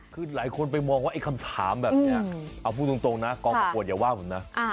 คือหลายคนไปมองว่าไอ้คำถามแบบนี้เอาพูดตรงนะกองประกวดอย่าว่าผมนะ